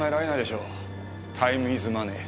タイムイズマネー。